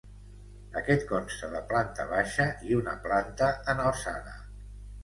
Aquest consta de planta baixa i una planta en alçada.